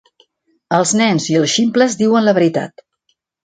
Els nens i els ximples diuen la veritat.